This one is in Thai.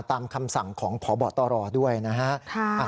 ตามคำสั่งของพบตรด้วยนะฮะ